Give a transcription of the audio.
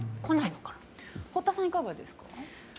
堀田さんはいかがですか？